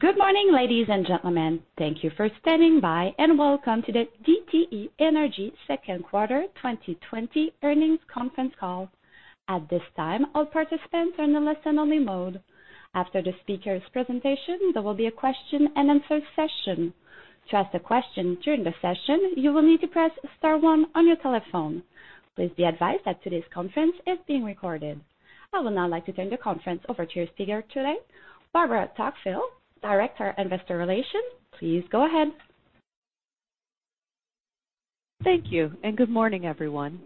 Good morning, ladies and gentlemen. Thank you for standing by, and welcome to the DTE Energy Second Quarter 2020 Earnings Conference Call. At this time, all participants are in a listen-only mode. After the speakers' presentation, there will be a question-and-answer session. To ask a question during the session, you will need to press star one on your telephone. Please be advised that today's conference is being recorded. I would now like to turn the conference over to your speaker today, Barbara Tuckfield, Director, Investor Relations. Please go ahead. Thank you, good morning, everyone.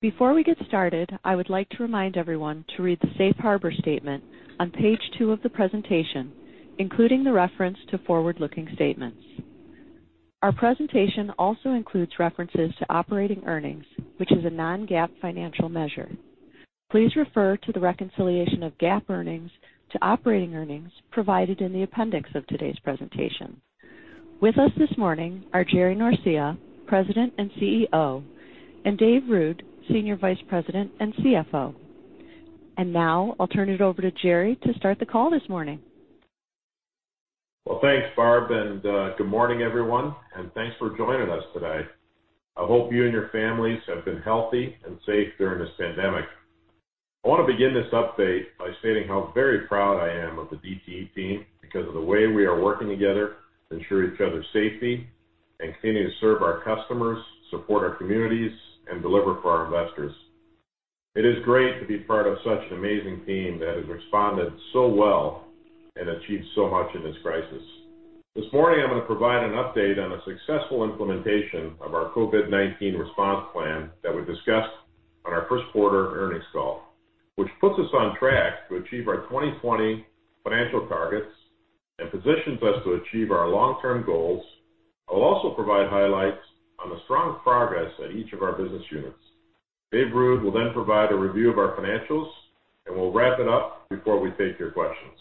Before we get started, I would like to remind everyone to read the safe harbor statement on page two of the presentation, including the reference to forward-looking statements. Our presentation also includes references to operating earnings, which is a non-GAAP financial measure. Please refer to the reconciliation of GAAP earnings to operating earnings provided in the appendix of today's presentation. With us this morning are Jerry Norcia, President and CEO, and Dave Ruud, Senior Vice President and CFO. Now I'll turn it over to Jerry to start the call this morning. Well, thanks, Barb, and good morning, everyone, and thanks for joining us today. I hope you and your families have been healthy and safe during this pandemic. I want to begin this update by stating how very proud I am of the DTE team because of the way we are working together to ensure each other's safety and continuing to serve our customers, support our communities, and deliver for our investors. It is great to be part of such an amazing team that has responded so well and achieved so much in this crisis. This morning, I'm going to provide an update on the successful implementation of our COVID-19 response plan that we discussed on our first quarter earnings call, which puts us on track to achieve our 2020 financial targets and positions us to achieve our long-term goals. I will also provide highlights on the strong progress at each of our business units. Dave Ruud will then provide a review of our financials. We'll wrap it up before we take your questions.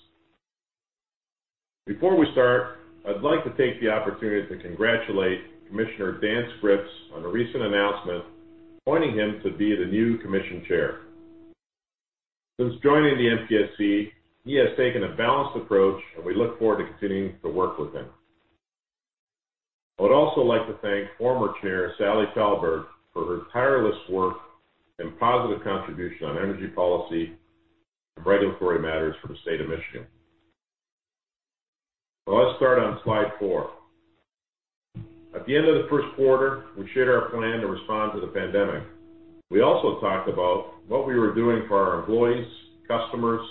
Before we start, I'd like to take the opportunity to congratulate Commissioner Dan Scripps on a recent announcement appointing him to be the new commission chair. Since joining the MPSC, he has taken a balanced approach. We look forward to continuing to work with him. I would also like to thank former Chair Sally Talberg for her tireless work and positive contribution on energy policy and regulatory matters for the state of Michigan. Let's start on slide four. At the end of the first quarter, we shared our plan to respond to the pandemic. We also talked about what we were doing for our employees, customers,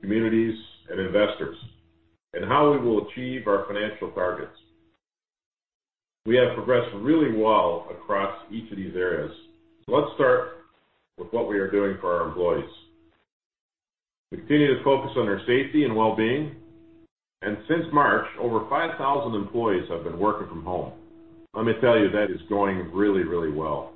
communities, and investors, and how we will achieve our financial targets. We have progressed really well across each of these areas. Let's start with what we are doing for our employees. We continue to focus on their safety and well-being, and since March, over 5,000 employees have been working from home. Let me tell you, that is going really well.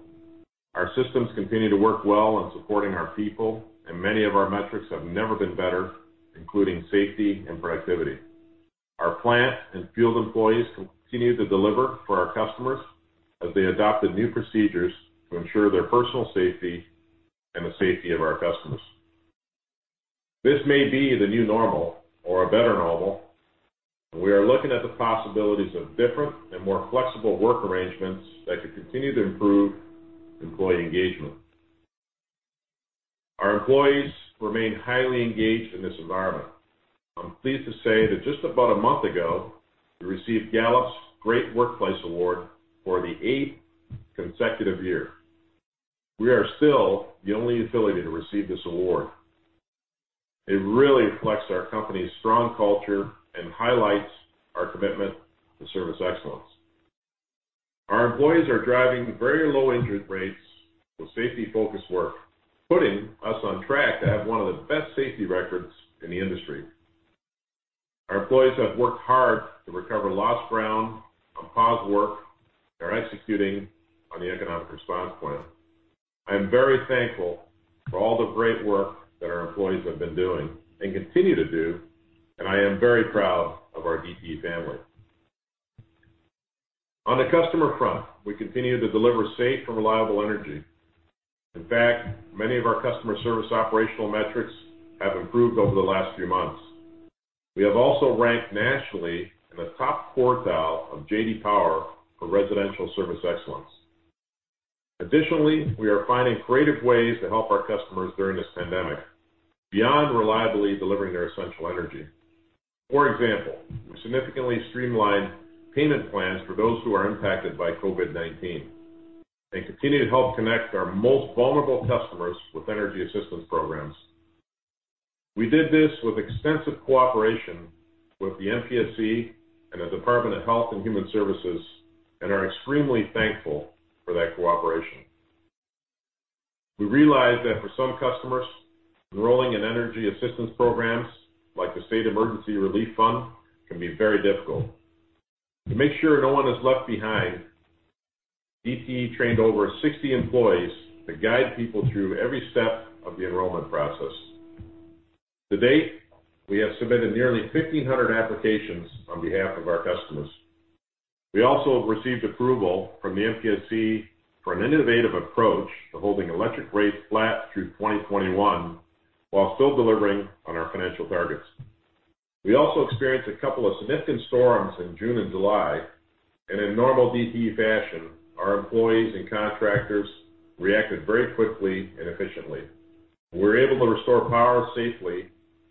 Our systems continue to work well in supporting our people, and many of our metrics have never been better, including safety and productivity. Our plant and field employees continue to deliver for our customers as they adopted new procedures to ensure their personal safety and the safety of our customers. This may be the new normal or a better normal. We are looking at the possibilities of different and more flexible work arrangements that could continue to improve employee engagement. Our employees remain highly engaged in this environment. I'm pleased to say that just about a month ago, we received Gallup's Great Workplace Award for the eighth consecutive year. We are still the only utility to receive this award. It really reflects our company's strong culture and highlights our commitment to service excellence. Our employees are driving very low injury rates with safety-focused work, putting us on track to have one of the best safety records in the industry. Our employees have worked hard to recover lost ground on paused work. They're executing on the economic response plan. I am very thankful for all the great work that our employees have been doing and continue to do, and I am very proud of our DTE family. On the customer front, we continue to deliver safe and reliable energy. In fact, many of our customer service operational metrics have improved over the last few months. We have also ranked nationally in the top quartile of J.D. Power for residential service excellence. Additionally, we are finding creative ways to help our customers during this pandemic beyond reliably delivering their essential energy. For example, we significantly streamlined payment plans for those who are impacted by COVID-19 and continue to help connect our most vulnerable customers with energy assistance programs. We did this with extensive cooperation with the MPSC and the Department of Health and Human Services and are extremely thankful for that cooperation. We realize that for some customers, enrolling in energy assistance programs like the State Emergency Relief Fund can be very difficult. To make sure no one is left behind, DTE trained over 60 employees to guide people through every step of the enrollment process. To date, we have submitted nearly 1,500 applications on behalf of our customers. We also have received approval from the MPSC for an innovative approach to holding electric rates flat through 2021 while still delivering on our financial targets. We also experienced a couple of significant storms in June and July, and in normal DTE fashion, our employees and contractors reacted very quickly and efficiently. We were able to restore power safely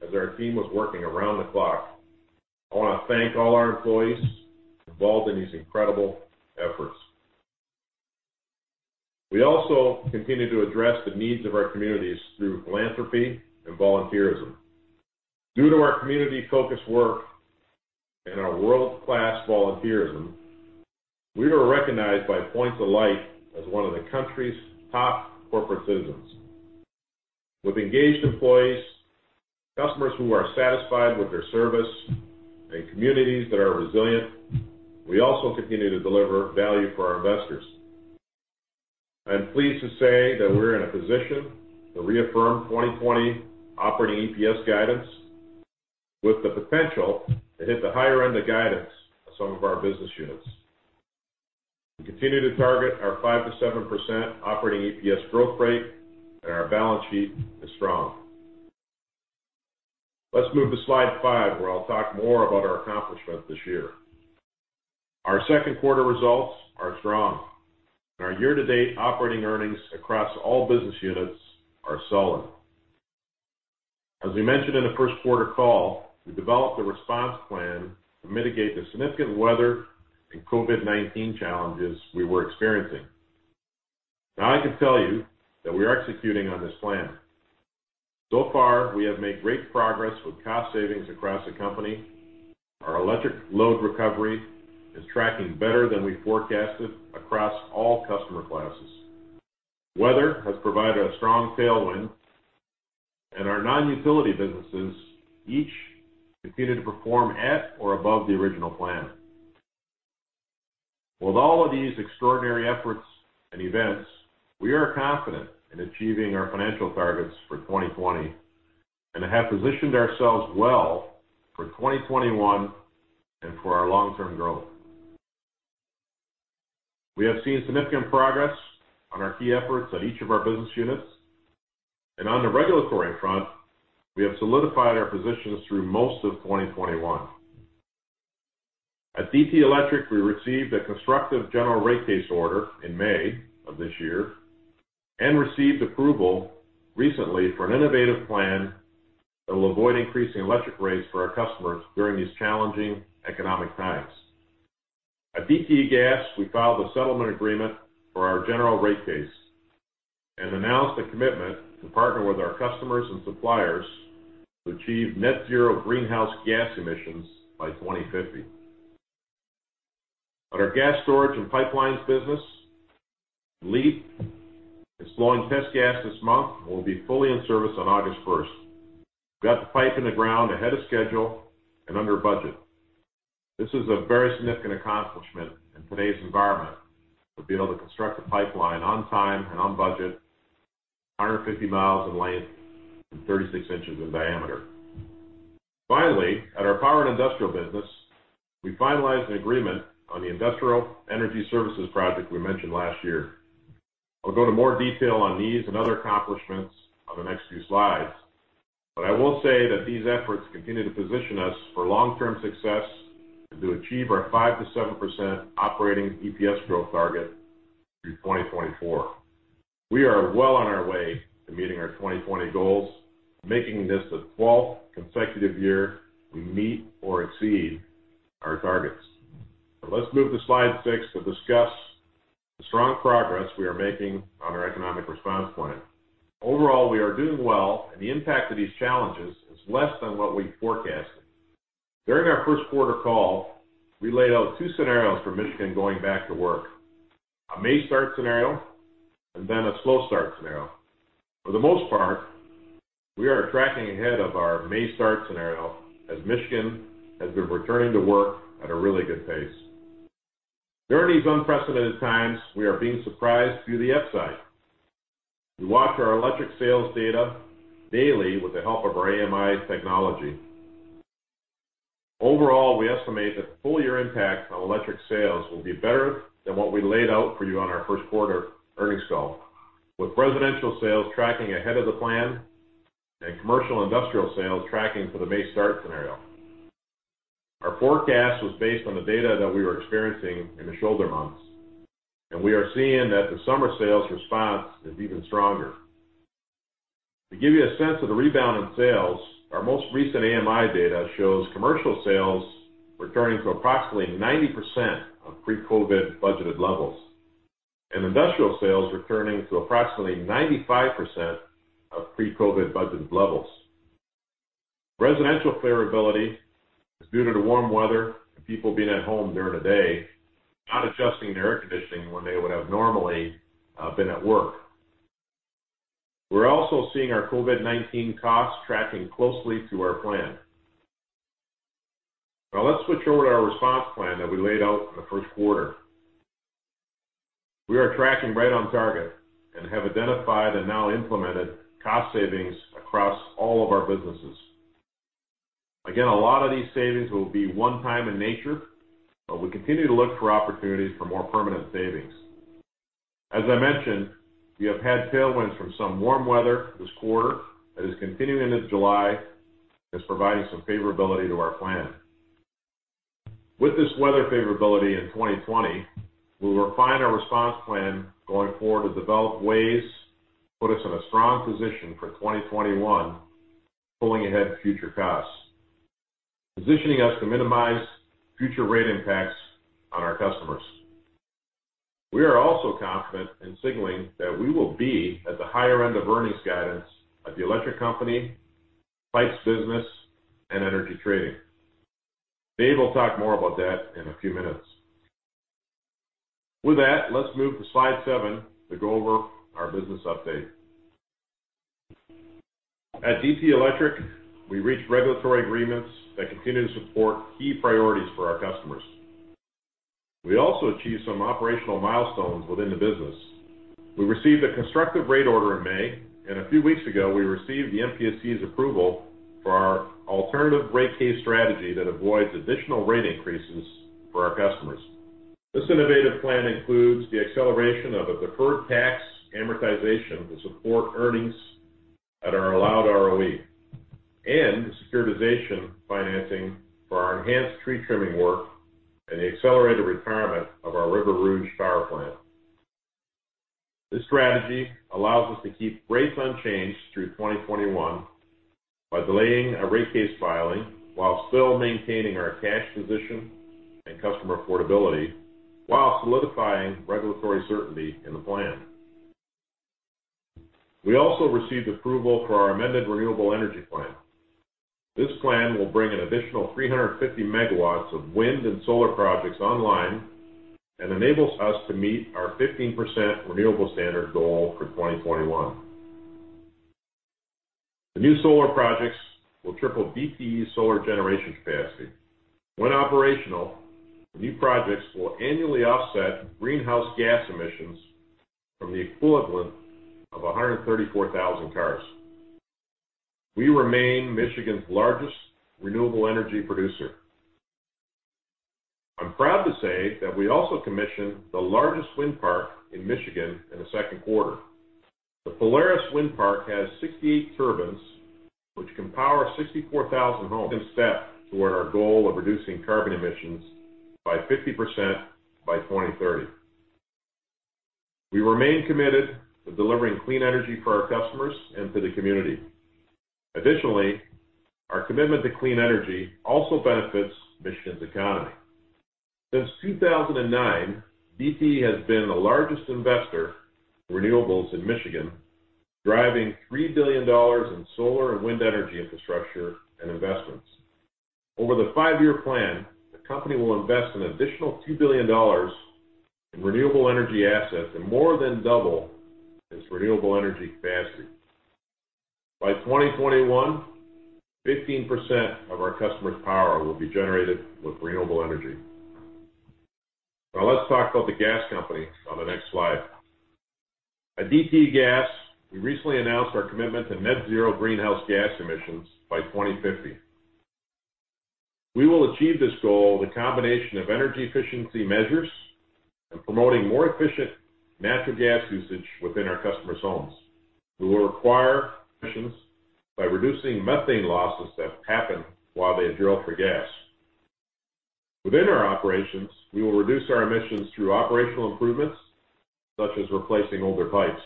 as our team was working around the clock. I want to thank all our employees involved in these incredible efforts. We also continue to address the needs of our communities through philanthropy and volunteerism. Due to our community-focused work and our world-class volunteerism, we were recognized by Points of Light as one of the country's top corporate citizens. With engaged employees, customers who are satisfied with their service, and communities that are resilient, we also continue to deliver value for our investors. I'm pleased to say that we're in a position to reaffirm 2020 operating EPS guidance with the potential to hit the higher end of guidance at some of our business units. We continue to target our 5%-7% operating EPS growth rate, and our balance sheet is strong. Let's move to slide five, where I'll talk more about our accomplishments this year. Our second quarter results are strong, and our year-to-date operating earnings across all business units are solid. As we mentioned in the first quarter call, we developed a response plan to mitigate the significant weather and COVID-19 challenges we were experiencing. Now, I can tell you that we are executing on this plan. So far, we have made great progress with cost savings across the company. Our electric load recovery is tracking better than we forecasted across all customer classes. Weather has provided a strong tailwind, and our non-utility businesses each continue to perform at or above the original plan. With all of these extraordinary efforts and events, we are confident in achieving our financial targets for 2020 and have positioned ourselves well for 2021 and for our long-term growth. We have seen significant progress on our key efforts at each of our business units, and on the regulatory front, we have solidified our positions through most of 2021. At DTE Electric, we received a constructive general rate case order in May of this year and received approval recently for an innovative plan that will avoid increasing electric rates for our customers during these challenging economic times. At DTE Gas, we filed a settlement agreement for our general rate case and announced a commitment to partner with our customers and suppliers to achieve net zero greenhouse gas emissions by 2050. At our Gas Storage & Pipelines business, LEAP is flowing test gas this month and will be fully in service on August 1st. We got the pipe in the ground ahead of schedule and under budget. This is a very significant accomplishment in today's environment, to be able to construct a pipeline on time and on budget, 150 miles in length and 36 inches in diameter. Finally, at our Power & Industrial Projects, we finalized an agreement on the industrial energy services project we mentioned last year. I'll go into more detail on these and other accomplishments on the next few slides, but I will say that these efforts continue to position us for long-term success and to achieve our 5%-7% operating EPS growth target through 2024. We are well on our way to meeting our 2020 goals, making this the 12th consecutive year we meet or exceed our targets. Let's move to slide six to discuss the strong progress we are making on our economic response plan. Overall, we are doing well, and the impact of these challenges is less than what we forecasted. During our first quarter call, we laid out two scenarios for Michigan going back to work, a May start scenario, and then a slow start scenario. For the most part, we are tracking ahead of our May start scenario, as Michigan has been returning to work at a really good pace. During these unprecedented times, we are being surprised to the upside. We watch our electric sales data daily with the help of our AMI technology. Overall, we estimate that the full-year impact on electric sales will be better than what we laid out for you on our first quarter earnings call, with residential sales tracking ahead of the plan and commercial industrial sales tracking for the May start scenario. Our forecast was based on the data that we were experiencing in the shoulder months, and we are seeing that the summer sales response is even stronger. To give you a sense of the rebound in sales, our most recent AMI data shows commercial sales returning to approximately 90% of pre-COVID budgeted levels and industrial sales returning to approximately 95% of pre-COVID budgeted levels. Residential clear ability is due to the warm weather and people being at home during the day, not adjusting their air conditioning when they would have normally been at work. We're also seeing our COVID-19 costs tracking closely to our plan. Now let's switch over to our response plan that we laid out in the first quarter. We are tracking right on target and have identified and now implemented cost savings across all of our businesses. Again, a lot of these savings will be one-time in nature, but we continue to look for opportunities for more permanent savings. As I mentioned, we have had tailwinds from some warm weather this quarter that is continuing into July and is providing some favorability to our plan. With this weather favorability in 2020, we will refine our response plan going forward to develop ways to put us in a strong position for 2021, pulling ahead future costs, positioning us to minimize future rate impacts on our customers. We are also confident in signaling that we will be at the higher end of earnings guidance at DTE Electric, pipes business, and energy trading. Dave will talk more about that in a few minutes. Let's move to slide seven to go over our business update. At DTE Electric, we reached regulatory agreements that continue to support key priorities for our customers. We also achieved some operational milestones within the business. We received a constructive rate order in May, and a few weeks ago, we received the MPSC's approval for our alternative rate case strategy that avoids additional rate increases for our customers. This innovative plan includes the acceleration of a deferred tax amortization to support earnings at our allowed ROE and the securitization financing for our enhanced tree trimming work and the accelerated retirement of our River Rouge Power Plant. This strategy allows us to keep rates unchanged through 2021 by delaying a rate case filing while still maintaining our cash position and customer affordability while solidifying regulatory certainty in the plan. We also received approval for our amended renewable energy plan. This plan will bring an additional 350 megawatts of wind and solar projects online and enables us to meet our 15% renewable standard goal for 2021. The new solar projects will triple DTE solar generation capacity. When operational, the new projects will annually offset greenhouse gas emissions from the equivalent of 134,000 cars. We remain Michigan's largest renewable energy producer. I'm proud to say that we also commissioned the largest wind park in Michigan in the second quarter. The Polaris Wind Park has 68 turbines, which can power 64,000 homes and step toward our goal of reducing carbon emissions by 50% by 2030. We remain committed to delivering clean energy for our customers and to the community. Additionally, our commitment to clean energy also benefits Michigan's economy. Since 2009, DTE has been the largest investor in renewables in Michigan, driving $3 billion in solar and wind energy infrastructure and investments. Over the five-year plan, the company will invest an additional $2 billion in renewable energy assets and more than double its renewable energy capacity. By 2021, 15% of our customers' power will be generated with renewable energy. Let's talk about the gas company on the next slide. At DTE Gas, we recently announced our commitment to net zero greenhouse gas emissions by 2050. We will achieve this goal with a combination of energy efficiency measures and promoting more efficient natural gas usage within our customers' homes. We will reduce emissions by reducing methane losses that happen while they drill for gas. Within our operations, we will reduce our emissions through operational improvements, such as replacing older pipes,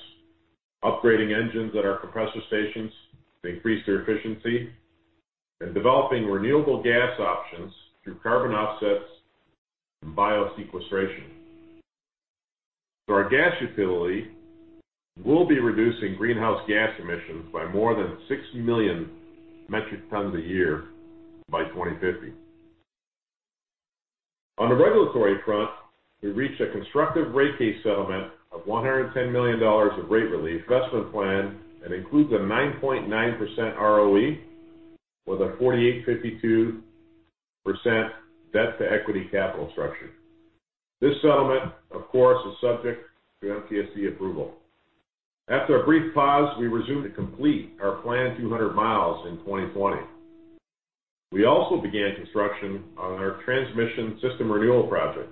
upgrading engines at our compressor stations to increase their efficiency, and developing renewable gas options through carbon offsets and biosequestration. Our gas utility will be reducing greenhouse gas emissions by more than 60 million metric tons a year by 2050. On the regulatory front, we reached a constructive rate case settlement of $110 million of rate relief investment plan that includes a 9.9% ROE with a 48/52% debt-to-equity capital structure. This settlement, of course, is subject to MPSC approval. After a brief pause, we resumed to complete our plan 200 miles in 2020. We also began construction on our transmission system renewal project.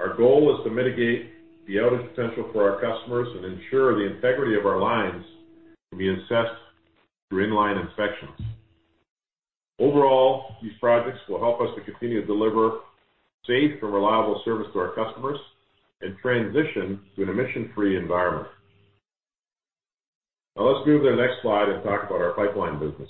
Our goal is to mitigate the outage potential for our customers and ensure the integrity of our lines can be assessed through in-line inspections. Overall, these projects will help us to continue to deliver safe and reliable service to our customers and transition to an emission-free environment. Let's move to the next slide and talk about our pipeline business.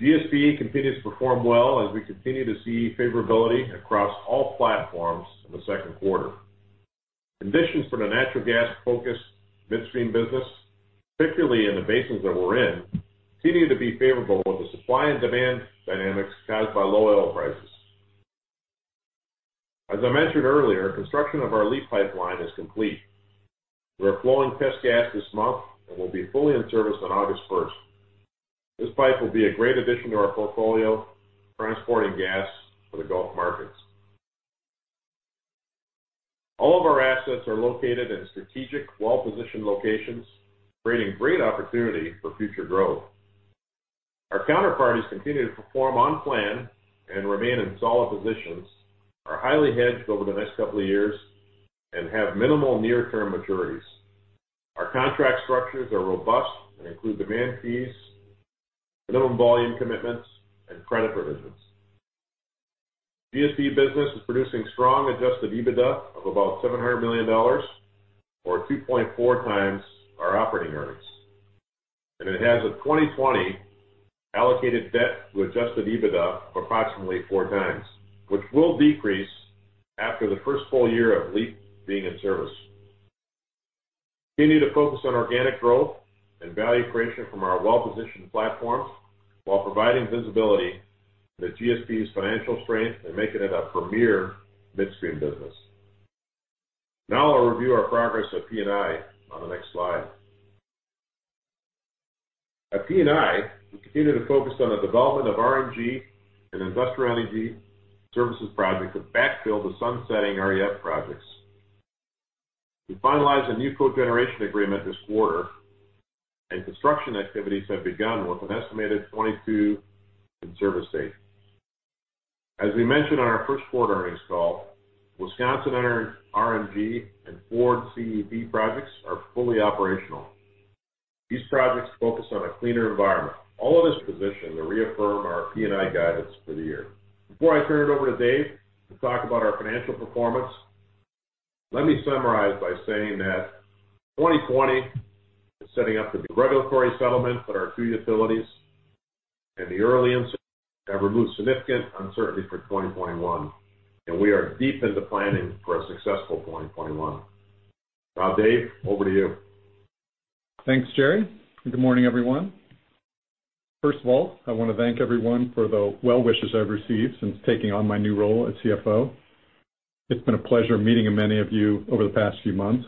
GSP continues to perform well as we continue to see favorability across all platforms in the second quarter. Conditions for the natural gas-focused midstream business, particularly in the basins that we're in, continue to be favorable with the supply and demand dynamics caused by low oil prices. As I mentioned earlier, construction of our LEAP pipeline is complete. We are flowing test gas this month and will be fully in service on August 1st. This pipe will be a great addition to our portfolio, transporting gas for the Gulf markets. All of our assets are located in strategic, well-positioned locations, creating great opportunity for future growth. Our counterparties continue to perform on plan and remain in solid positions, are highly hedged over the next couple of years, and have minimal near-term maturities. Our contract structures are robust and include demand fees, minimum volume commitments, and credit provisions. GSP business is producing strong adjusted EBITDA of about $700 million, or 2.4x our operating earnings. It has a 2020 allocated debt to adjusted EBITDA of approximately four times, which will decrease after the first full year of LEAP being in service. We continue to focus on organic growth and value creation from our well-positioned platforms while providing visibility to GSP's financial strength and making it a premier midstream business. I'll review our progress at P&I on the next slide. At P&I, we continue to focus on the development of RNG and industrial energy services projects that backfill the sunsetting REF projects. We finalized a new cogeneration agreement this quarter, and construction activities have begun with an estimated 2022 in service date. As we mentioned on our first quarter earnings call, Wisconsin Interconnect RNG and Ford CEP projects are fully operational. These projects focus on a cleaner environment. All of this positions to reaffirm our P&I guidance for the year. Before I turn it over to Dave to talk about our financial performance, let me summarize by saying that 2020 is setting up to be regulatory settlement at our two utilities, and the early incidents have removed significant uncertainty for 2021, and we are deep into planning for a successful 2021. Dave, over to you. Thanks, Jerry, and good morning, everyone. First of all, I want to thank everyone for the well wishes I've received since taking on my new role as CFO. It's been a pleasure meeting many of you over the past few months,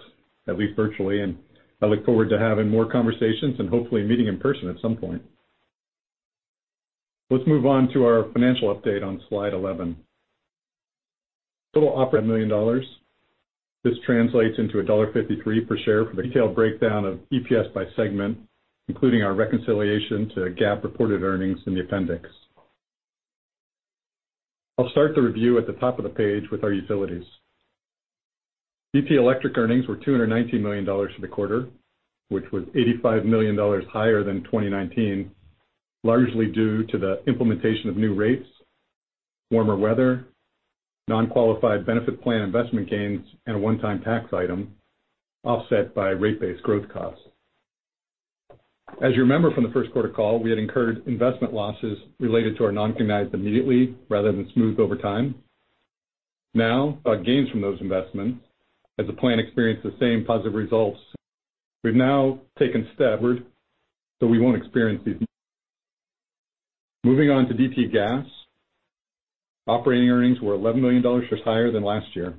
at least virtually, and I look forward to having more conversations and hopefully meeting in person at some point. Let's move on to our financial update on slide 11. Total operating million dollars. This translates into $1.53 per share for the detailed breakdown of EPS by segment, including our reconciliation to GAAP reported earnings in the appendix. I'll start the review at the top of the page with our utilities. DTE Electric earnings were $219 million for the quarter, which was $85 million higher than 2019, largely due to the implementation of new rates, warmer weather, non-qualified benefit plan investment gains, and a one-time tax item, offset by rate-based growth costs. As you remember from the first quarter call, we had incurred investment losses related to our non-qualified plan immediately rather than smoothed over time. Now, our gains from those investments as the plan experienced the same positive results. We've now taken step forward, so we won't experience these. Moving on to DTE Gas, operating earnings were $11 million, which was higher than last year.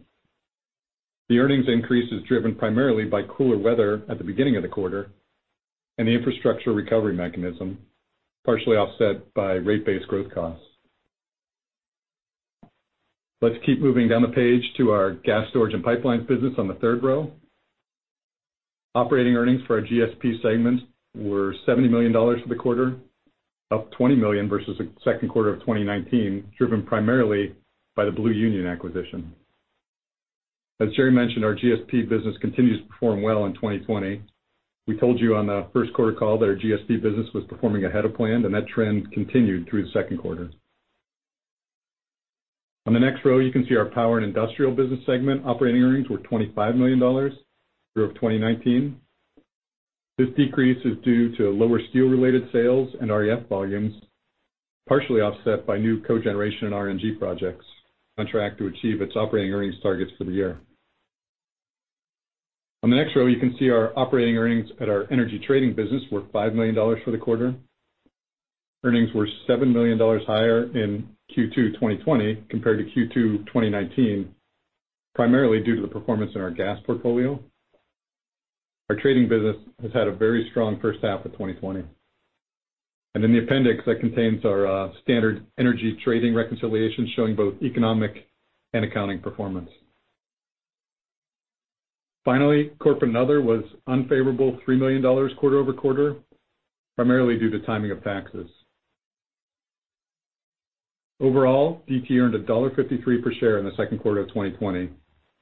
The earnings increase is driven primarily by cooler weather at the beginning of the quarter and the infrastructure recovery mechanism, partially offset by rate-based growth costs. Let's keep moving down the page to our Gas Storage & Pipelines business on the third row. Operating earnings for our GSP segment were $70 million for the quarter, up $20 million versus the second quarter of 2019, driven primarily by the Blue Union acquisition. As Jerry mentioned, our GSP business continues to perform well in 2020. We told you on the first quarter call that our GSP business was performing ahead of plan, and that trend continued through the second quarter. On the next row, you can see our Power & Industrial business segment operating earnings were $25 million through 2019. This decrease is due to lower steel-related sales and REF volumes, partially offset by new cogeneration and RNG projects on track to achieve its operating earnings targets for the year. On the next row, you can see our operating earnings at our energy trading business were $5 million for the quarter. Earnings were $7 million higher in Q2 2020 compared to Q2 2019, primarily due to the performance in our gas portfolio. Our trading business has had a very strong first half of 2020. In the appendix, that contains our standard energy trading reconciliation, showing both economic and accounting performance. Finally, corporate and other was unfavorable $3 million quarter-over-quarter, primarily due to timing of taxes. Overall, DTE earned $1.53 per share in the second quarter of 2020,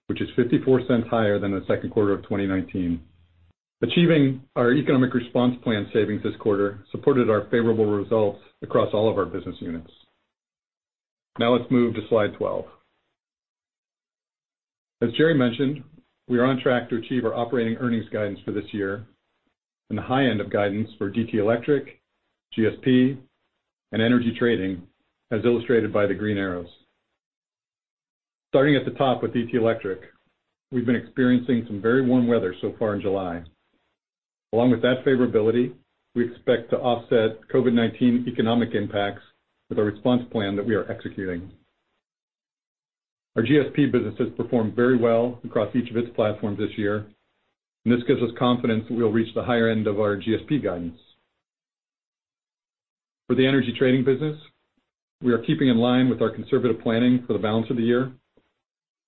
which is $0.54 higher than the second quarter of 2019. Achieving our economic response plan savings this quarter supported our favorable results across all of our business units. Now let's move to slide 12. As Jerry mentioned, we are on track to achieve our operating earnings guidance for this year and the high end of guidance for DTE Electric, GSP, and energy trading, as illustrated by the green arrows. Starting at the top with DTE Electric, we've been experiencing some very warm weather so far in July. Along with that favorability, we expect to offset COVID-19 economic impacts with a response plan that we are executing. Our GSP business has performed very well across each of its platforms this year, and this gives us confidence that we'll reach the higher end of our GSP guidance. For the energy trading business, we are keeping in line with our conservative planning for the balance of the year.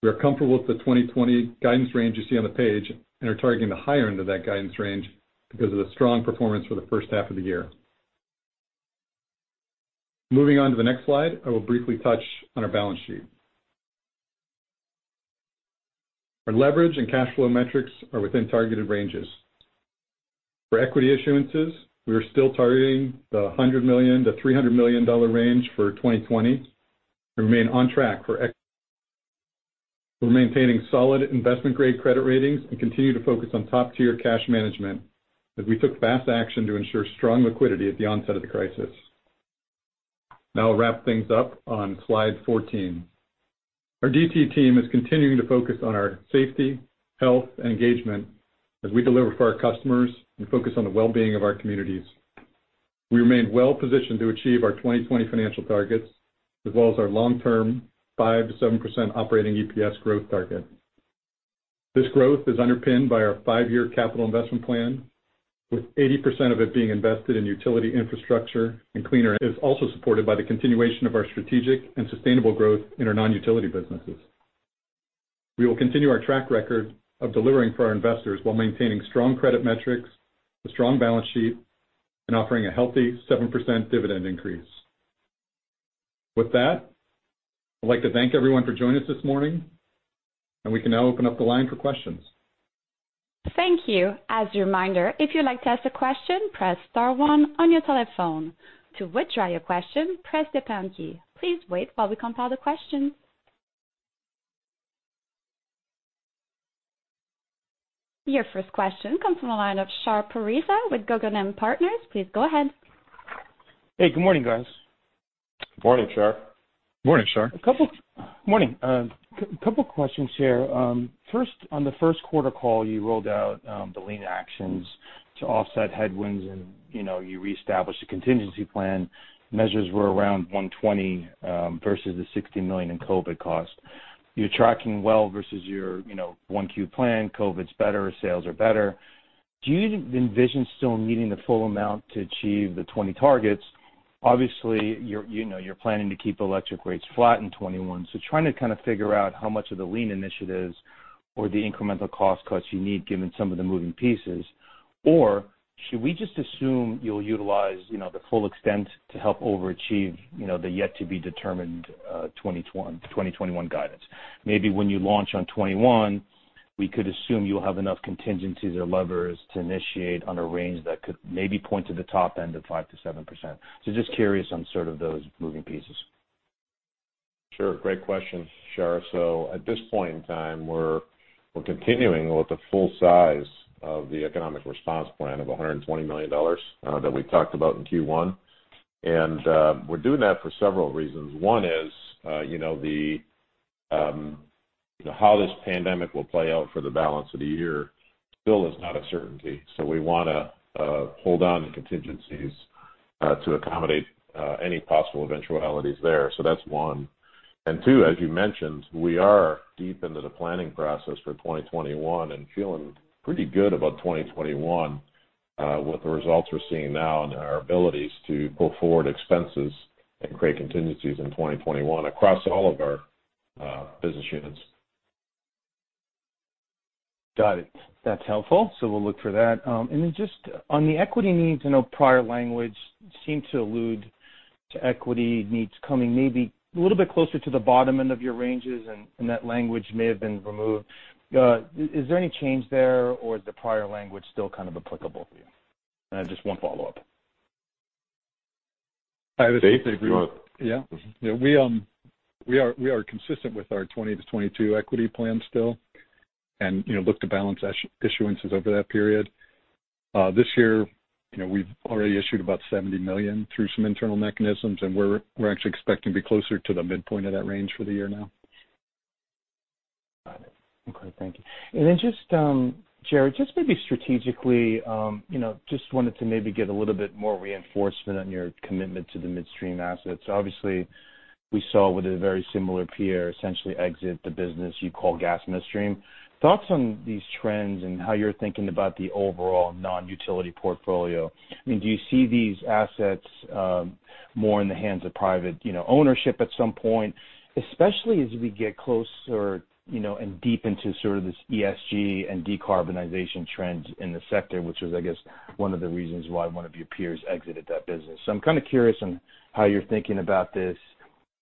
We are comfortable with the 2020 guidance range you see on the page and are targeting the higher end of that guidance range because of the strong performance for the first half of the year. Moving on to the next slide, I will briefly touch on our balance sheet. Our leverage and cash flow metrics are within targeted ranges. For equity issuances, we are still targeting the $100 million-$300 million range for 2020, and remain on track for. We're maintaining solid investment-grade credit ratings and continue to focus on top-tier cash management, as we took fast action to ensure strong liquidity at the onset of the crisis. I'll wrap things up on slide 14. Our DTE team is continuing to focus on our safety, health, and engagement as we deliver for our customers and focus on the well-being of our communities. We remain well-positioned to achieve our 2020 financial targets, as well as our long-term 5%-7% operating EPS growth target. This growth is underpinned by our five-year capital investment plan, with 80% of it being invested in utility infrastructure and is also supported by the continuation of our strategic and sustainable growth in our non-utility businesses. We will continue our track record of delivering for our investors while maintaining strong credit metrics, a strong balance sheet, and offering a healthy 7% dividend increase. With that, I'd like to thank everyone for joining us this morning, and we can now open up the line for questions. Thank you. As a reminder, if you'd like to ask a question, press star one on your telephone. To withdraw your question, press the pound key. Please wait while we compile the questions. Your first question comes from the line of Shar Pourreza with Guggenheim Partners. Please go ahead. Hey, good morning, guys. Good morning, Shar. Morning, Shar. Morning. A couple of questions here. First, on the first quarter call, you rolled out the lean actions to offset headwinds and you reestablished a contingency plan. Measures were around $120 versus the $60 million in COVID costs. You're tracking well versus your 1Q plan. COVID's better, sales are better. Do you envision still needing the full amount to achieve the 2020 targets? Obviously, you're planning to keep electric rates flat in 2021. Trying to kind of figure out how much of the lean initiatives or the incremental cost cuts you need given some of the moving pieces. Should we just assume you'll utilize the full extent to help overachieve the yet to be determined 2021 guidance? When you launch on 2021, we could assume you'll have enough contingencies or levers to initiate on a range that could maybe point to the top end of 5%-7%. Just curious on sort of those moving pieces. Sure. Great question, Shar. At this point in time, we're continuing with the full size of the economic response plan of $120 million that we talked about in Q1. We're doing that for several reasons. One is, how this pandemic will play out for the balance of the year still is not a certainty. We want to hold on to contingencies to accommodate any possible eventualities there. That's one. Two, as you mentioned, we are deep into the planning process for 2021 and feeling pretty good about 2021 with the results we're seeing now and our abilities to pull forward expenses and create contingencies in 2021 across all of our business units. Got it. That's helpful. We'll look for that. Then just on the equity needs, I know prior language seemed to allude to equity needs coming maybe a little bit closer to the bottom end of your ranges, and that language may have been removed. Is there any change there or is the prior language still kind of applicable for you? I have just one follow-up. Dave. Yeah. We are consistent with our 2020 to 2022 equity plan still and look to balance issuances over that period. This year, we've already issued about $70 million through some internal mechanisms, and we're actually expecting to be closer to the midpoint of that range for the year now. Got it. Okay. Thank you. Then just, Jerry, just maybe strategically, just wanted to maybe get a little bit more reinforcement on your commitment to the midstream assets. Obviously, we saw with a very similar peer essentially exit the business you call gas midstream. Thoughts on these trends and how you're thinking about the overall non-utility portfolio. I mean, do you see these assets more in the hands of private ownership at some point? Especially as we get closer and deep into sort of this ESG and decarbonization trends in the sector, which was, I guess, one of the reasons why one of your peers exited that business. I'm kind of curious on how you're thinking about this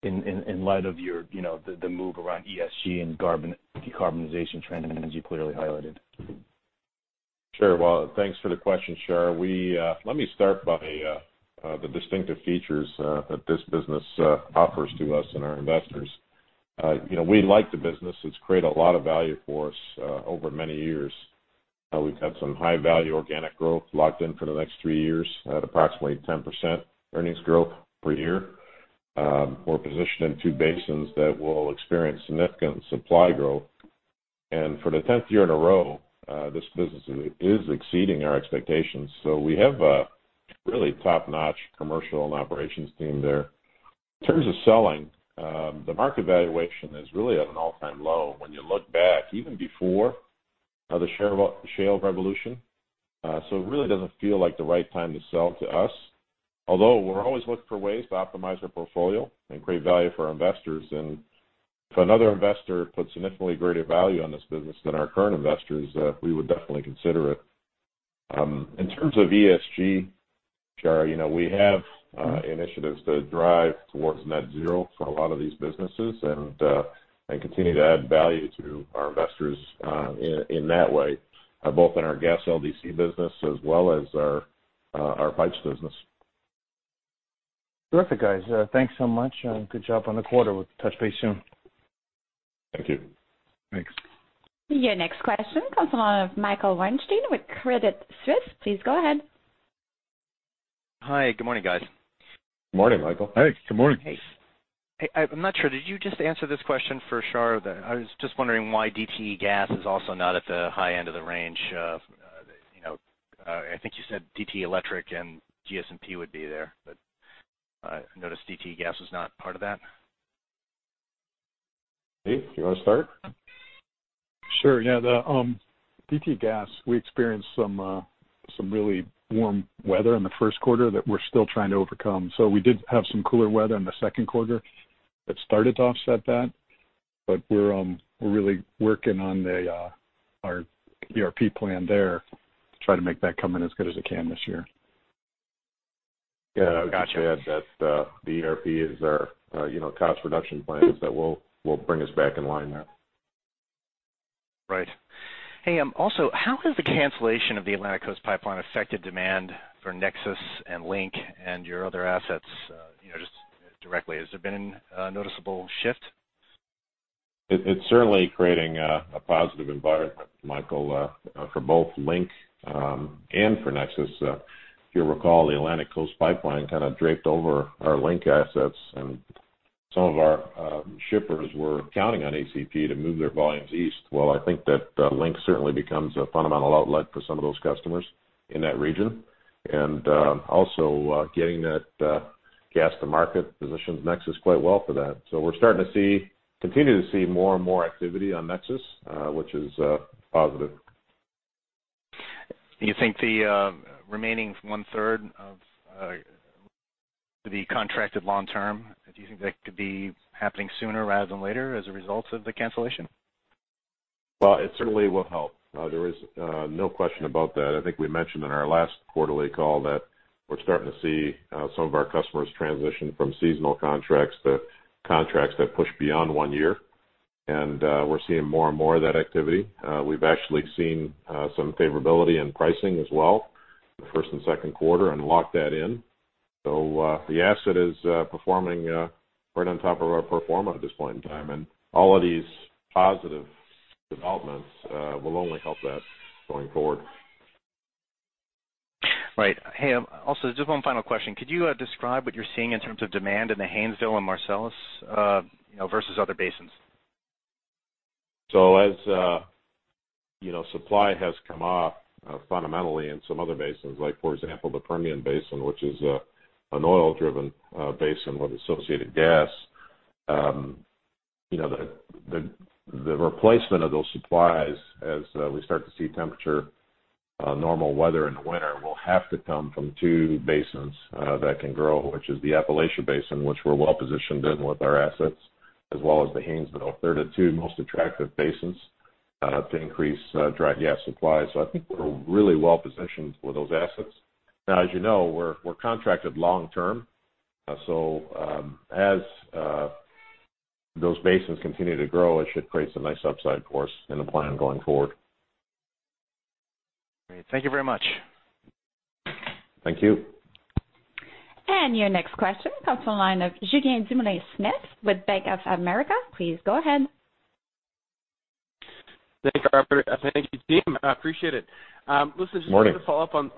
in light of the move around ESG and decarbonization trend, as you clearly highlighted? Sure. Well, thanks for the question, Shar. Let me start by the distinctive features that this business offers to us and our investors. We like the business. It's created a lot of value for us over many years. We've had some high-value organic growth locked in for the next three years at approximately 10% earnings growth per year. We're positioned in two basins that will experience significant supply growth For the 10th year in a row, this business is exceeding our expectations. We have a really top-notch commercial and operations team there. In terms of selling, the market valuation is really at an all-time low when you look back, even before the shale revolution. It really doesn't feel like the right time to sell to us, although we're always looking for ways to optimize our portfolio and create value for our investors. If another investor puts significantly greater value on this business than our current investors, we would definitely consider it. In terms of ESG, Shar, we have initiatives to drive towards net zero for a lot of these businesses and continue to add value to our investors in that way, both in our gas LDC business as well as our pipes business. Terrific, guys. Thanks so much, and good job on the quarter. We'll touch base soon. Thank you. Thanks. Your next question comes from the line of Michael Weinstein with Credit Suisse. Please go ahead. Hi. Good morning, guys. Morning, Michael. Hey, good morning. Hey. I'm not sure, did you just answer this question for Shar? I was just wondering why DTE Gas is also not at the high end of the range. I think you said DTE Electric and GS&P would be there, but I noticed DTE Gas was not part of that. Dave, do you want to start? Sure. Yeah. The DTE Gas, we experienced some really warm weather in the first quarter that we're still trying to overcome. We did have some cooler weather in the second quarter that started to offset that. We're really working on our ERP plan there to try to make that come in as good as it can this year. Yeah. Gotcha. Yeah, that's the ERP is our cost reduction plan is that will bring us back in line there. Right. Hey, also, how has the cancellation of the Atlantic Coast Pipeline affected demand for NEXUS and LINK and your other assets just directly? Has there been a noticeable shift? It's certainly creating a positive environment, Michael, for both LINK and for NEXUS. If you recall, the Atlantic Coast Pipeline kind of draped over our LINK assets, and some of our shippers were counting on ACP to move their volumes east. Well, I think that LINK certainly becomes a fundamental outlet for some of those customers in that region. Also getting that gas to market positions NEXUS quite well for that. We're starting to continue to see more and more activity on NEXUS, which is positive. Do you think the remaining one-third of the contracted long term, do you think that could be happening sooner rather than later as a result of the cancellation? Well, it certainly will help. There is no question about that. I think we mentioned in our last quarterly call that we're starting to see some of our customers transition from seasonal contracts to contracts that push beyond one year. We're seeing more and more of that activity. We've actually seen some favorability in pricing as well the first and second quarter and locked that in. The asset is performing right on top of our pro forma at this point in time, and all of these positive developments will only help that going forward. Right. Hey, also just one final question. Could you describe what you're seeing in terms of demand in the Haynesville and Marcellus versus other basins? As supply has come off fundamentally in some other basins, like for example, the Permian Basin, which is an oil-driven basin with associated gas. The replacement of those supplies as we start to see temperature normal weather in the winter will have to come from two basins that can grow, which is the Appalachian Basin, which we're well-positioned in with our assets, as well as the Haynesville, third and two most attractive basins to increase dry gas supply. I think we're really well-positioned with those assets. Now, as you know, we're contracted long term. As those basins continue to grow, it should create some nice upside for us in the plan going forward. Great. Thank you very much. Thank you. Your next question comes from the line of Julien Dumoulin-Smith with Bank of America. Please go ahead. Thank you, team. I appreciate it. Morning just wanted to follow up on.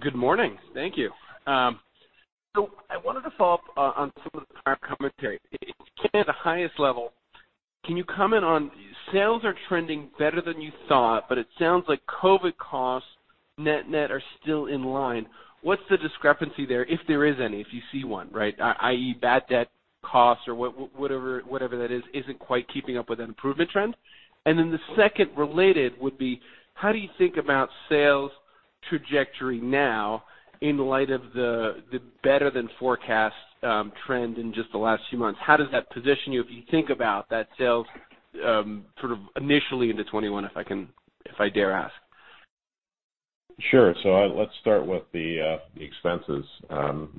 Good morning. Thank you. I wanted to follow up on some of our commentary. In kind of the highest level, can you comment on sales are trending better than you thought, but it sounds like COVID-19 costs net are still in line. What's the discrepancy there, if there is any, if you see one, right? I.e., bad debt costs or whatever that is, isn't quite keeping up with an improvement trend. Then the second related would be, how do you think about sales trajectory now in light of the better-than-forecast trend in just the last few months? How does that position you if you think about that sales sort of initially into 2021, if I dare ask? Sure. Let's start with the expenses.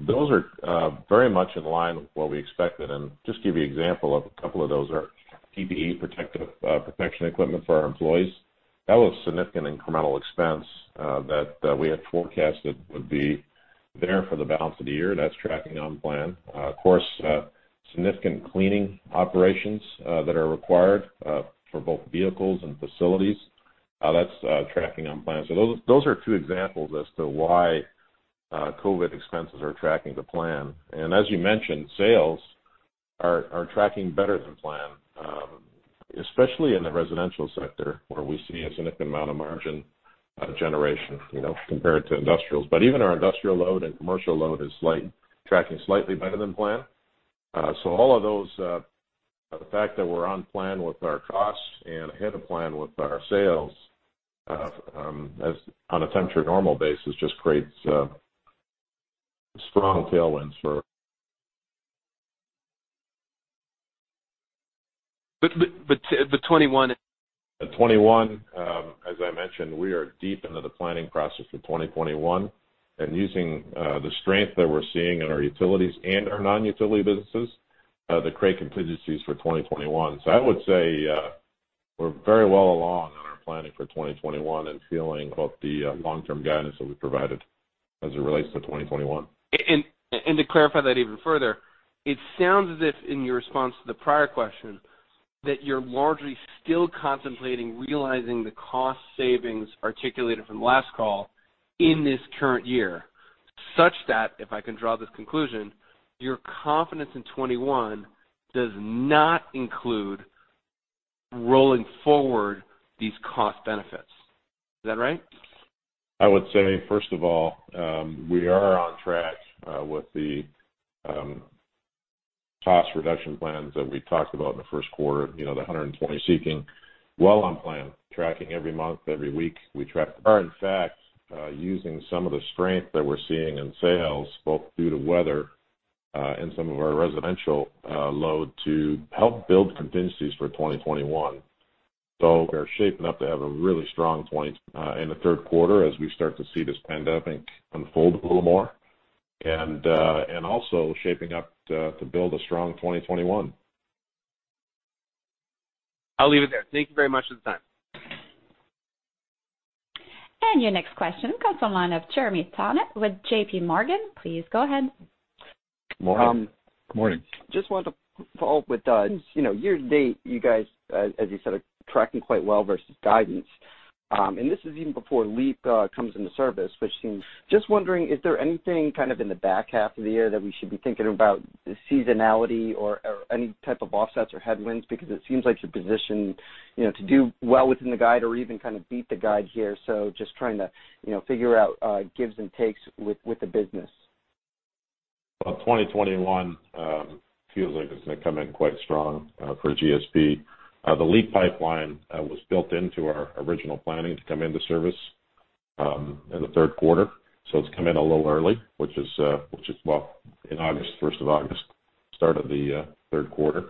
Those are very much in line with what we expected. Just to give you an example of a couple of those are PPE, protection equipment for our employees. That was significant incremental expense that we had forecasted would be there for the balance of the year. That's tracking on plan. Of course, significant cleaning operations that are required for both vehicles and facilities. That's tracking on plan. Those are two examples as to why COVID expenses are tracking to plan. As you mentioned, sales are tracking better than planned, especially in the residential sector, where we see a significant amount of margin generation compared to industrials. Even our industrial load and commercial load is tracking slightly better than plan. All of those, the fact that we're on plan with our costs and ahead of plan with our sales, on a temporary normal basis, just creates strong tailwinds. But the 2021- The 2021, as I mentioned, we are deep into the planning process for 2021, and using the strength that we're seeing in our utilities and our non-utility businesses to create contingencies for 2021. I would say we're very well along on our planning for 2021 and feeling about the long-term guidance that we provided as it relates to 2021. To clarify that even further, it sounds as if, in your response to the prior question, that you're largely still contemplating realizing the cost savings articulated from last call in this current year, such that, if I can draw this conclusion, your confidence in 2021 does not include rolling forward these cost benefits. Is that right? I would say, first of all, we are on track with the cost reduction plans that we talked about in the first quarter. The 120 million we were seeking, well on plan, tracking every month, every week. We are in fact using some of the strength that we're seeing in sales, both due to weather and some of our residential load to help build contingencies for 2021. We're shaping up to have a really strong point in the third quarter as we start to see this pandemic unfold a little more, and also shaping up to build a strong 2021. I'll leave it there. Thank you very much for the time. Your next question comes from the line of Jeremy Tonet with JPMorgan. Please go ahead. Morning. Good morning. Just wanted to follow up with, year to date, you guys, as you said, are tracking quite well versus guidance. This is even before LEAP comes into service. Just wondering, is there anything kind of in the back half of the year that we should be thinking about seasonality or any type of offsets or headwinds? It seems like you're positioned to do well within the guide or even kind of beat the guide here. Just trying to figure out gives and takes with the business. 2021 feels like it's going to come in quite strong for GSP. The LEAP pipeline was built into our original planning to come into service in the third quarter. It's come in a little early, which is in August, 1st of August, start of the third quarter.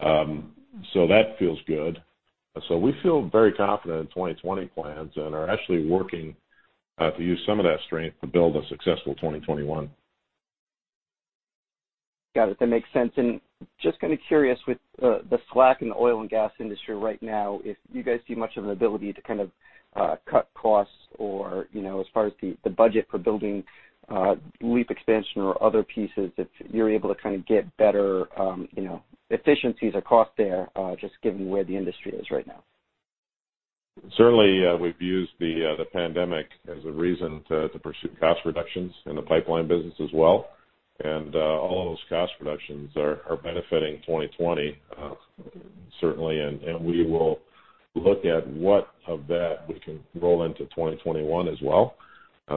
That feels good. We feel very confident in 2020 plans and are actually working to use some of that strength to build a successful 2021. Got it. That makes sense. Just kind of curious with the slack in the oil and gas industry right now, if you guys see much of an ability to kind of cut costs or, as far as the budget for building LEAP expansion or other pieces, if you're able to kind of get better efficiencies or cost there, just given where the industry is right now. Certainly, we've used the pandemic as a reason to pursue cost reductions in the pipeline business as well. All of those cost reductions are benefiting 2020, certainly, and we will look at what of that we can roll into 2021 as well,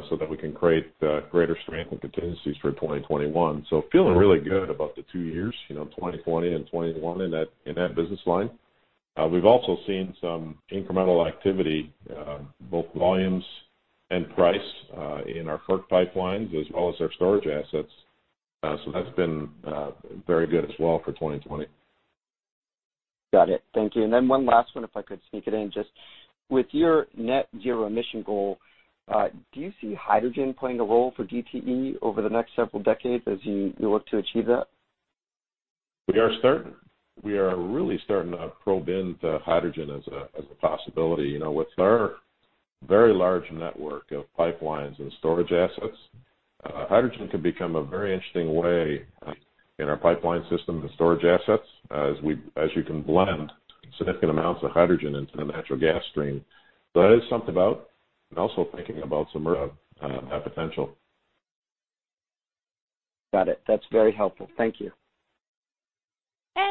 so that we can create greater strength and contingencies for 2021. Feeling really good about the two years, 2020 and 2021 in that business line. We've also seen some incremental activity, both volumes and price, in our FERC pipelines as well as our storage assets. That's been very good as well for 2020. Got it. Thank you. One last one, if I could sneak it in. Just with your net zero emission goal, do you see hydrogen playing a role for DTE over the next several decades as you look to achieve that? We are really starting to probe into hydrogen as a possibility. With our very large network of pipelines and storage assets, hydrogen could become a very interesting way in our pipeline system and storage assets as you can blend significant amounts of hydrogen into the natural gas stream. That is something about, and also thinking about some of that potential. Got it. That's very helpful. Thank you.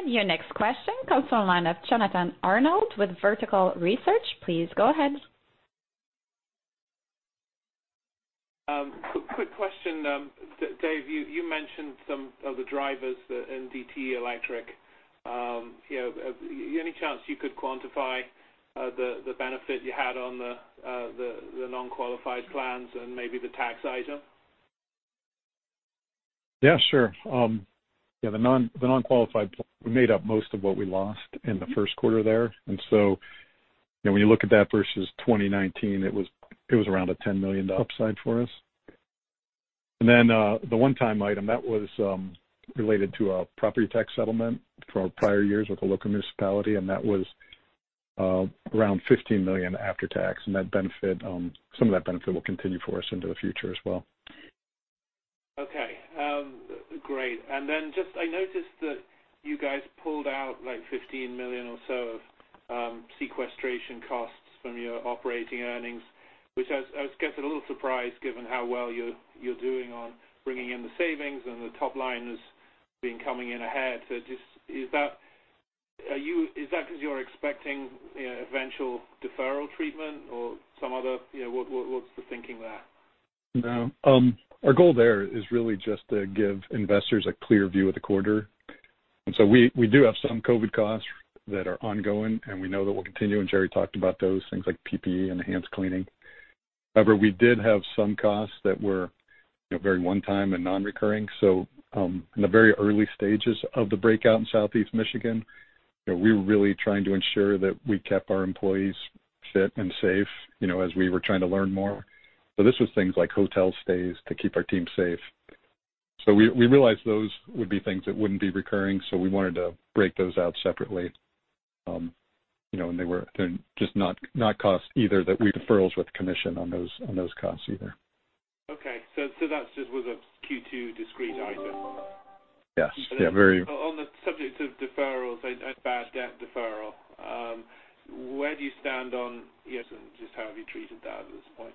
Your next question comes from the line of Jonathan Arnold with Vertical Research. Please go ahead. Quick question. Dave, you mentioned some of the drivers in DTE Electric, any chance you could quantify the benefit you had on the non-qualified plans and maybe the tax item? Yeah, sure. The non-qualified plan made up most of what we lost in the first quarter there. When you look at that versus 2019, it was around a $10 million upside for us. The one-time item, that was related to a property tax settlement from prior years with a local municipality, and that was around $15 million after tax, and some of that benefit will continue for us into the future as well. Okay. Great. Then I noticed that you guys pulled out $15 million or so of sequestration costs from your operating earnings, which I was a little surprised, given how well you're doing on bringing in the savings and the top line has been coming in ahead. Is that because you're expecting eventual deferral treatment or some other, what's the thinking there? No. Our goal there is really just to give investors a clear view of the quarter. We do have some COVID costs that are ongoing, and we know that will continue, and Jerry talked about those, things like PPE, enhanced cleaning. However, we did have some costs that were very one-time and non-recurring. In the very early stages of the breakout in Southeast Michigan, we were really trying to ensure that we kept our employees fit and safe as we were trying to learn more. This was things like hotel stays to keep our team safe. We realized those would be things that wouldn't be recurring, so we wanted to break those out separately. They're just not costs either that we deferrals with commission on those costs either. Okay. That just was a Q2 discrete item. Yes. On the subject of deferrals and bad debt deferral, where do you stand on just how have you treated that at this point?